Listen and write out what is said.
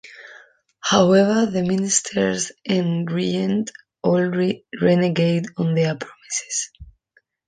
However the ministers and regent all renegade on their promises.